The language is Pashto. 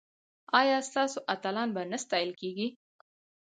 ایا ستاسو اتلان به نه ستایل کیږي؟